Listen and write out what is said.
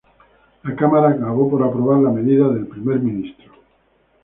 La Cámara acabó por aprobar la medida del primer ministro.